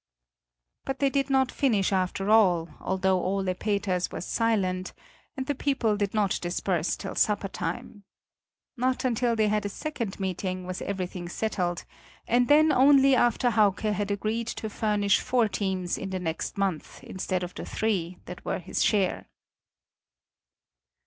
But they did not finish after all, although Ole Peters was silent, and the people did not disperse till supper time. Not until they had a second meeting was everything settled, and then only after Hauke had agreed to furnish four teams in the next month instead of the three that were his share.